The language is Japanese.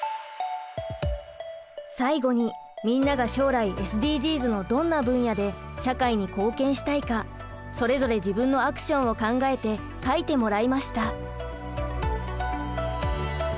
最後にみんなが将来ＳＤＧｓのどんな分野で社会に貢献したいかそれぞれ自分のアクションを考えて書いてもらいました。